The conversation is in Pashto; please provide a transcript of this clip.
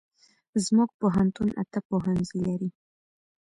زمونږ پوهنتون اته پوهنځي لري